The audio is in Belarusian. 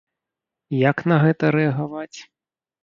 Як на гэта рэагаваць?